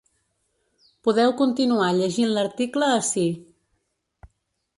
Podeu continuar llegint l’article ací.